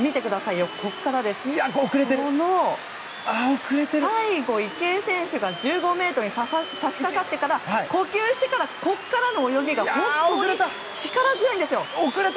ここから最後、池江選手が１５ｍに差し掛かってから呼吸してからここからの泳ぎが本当に力強いんですよ。